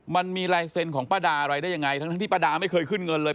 มันมีลายเซ็นต์ของป้าดาอะไรได้ยังไงทั้งที่ป้าดาไม่เคยขึ้นเงินเลย